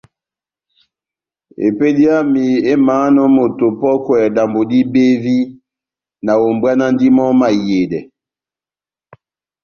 Epédi yami émahánɔ moto opɔ́kwɛ dambo dibevi, nahombwanandi mɔ́ mahiyedɛ.